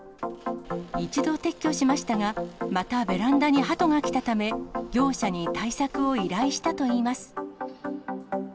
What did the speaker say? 一度撤去しましたが、またベランダにハトが来たため、業者に対策を依頼したといいます。